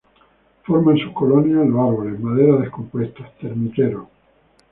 Forman sus colonias en los árboles, madera descompuesta, termiteros.